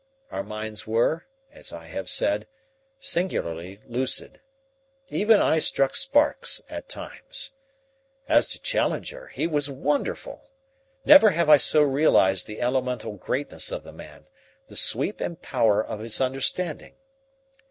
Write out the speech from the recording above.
Our minds were, as I have said, singularly lucid. Even I struck sparks at times. As to Challenger, he was wonderful! Never have I so realized the elemental greatness of the man, the sweep and power of his understanding.